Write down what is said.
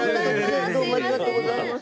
ありがとうございます。